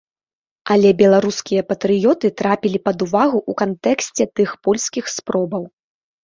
Але беларускія патрыёты трапілі пад увагу ў кантэксце тых польскіх спробаў.